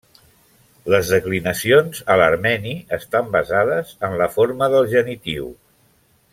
Les declinacions a l'armeni estan basades en la forma del genitiu.